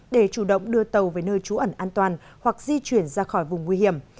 để chủ động đưa tàu về nơi trú ẩn an toàn hoặc di chuyển ra khỏi vùng nguy hiểm